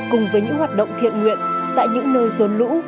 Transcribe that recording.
cùng với những hoạt động thiện nguyện tại những nơi rôn lũ